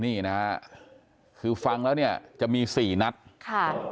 นี่นะฮะคือฟังแล้วเนี่ยจะมีสี่นัดค่ะ